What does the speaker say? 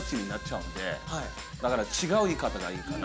だから違う言い方がいいかな。